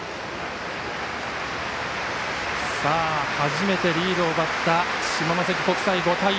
始めてリードを奪った下関国際、５対４。